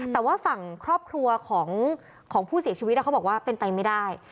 แต่ว่าฝั่งครอบครัวของผู้เสียชีวิตเขาบอกว่าเป็นไปไม่ได้